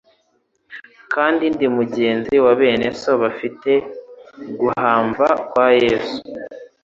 kandi ndi mugenzi wa bene so bafite guhamva kwa Yesu."